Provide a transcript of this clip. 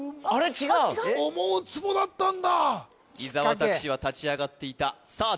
違う・あっ違う引っかけ伊沢拓司は立ち上がっていたさあ